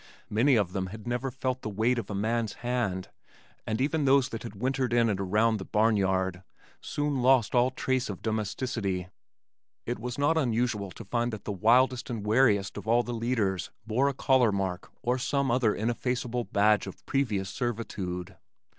Many of them had never felt the weight of a man's hand, and even those that had wintered in and around the barn yard soon lost all trace of domesticity. It was not unusual to find that the wildest and wariest of all the leaders bore a collar mark or some other ineffaceable badge of previous servitude.